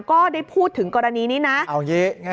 ก็ได้พูดถึงกรณีนี้นะ